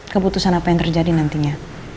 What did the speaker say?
keputusan apa yang terjadi nantinya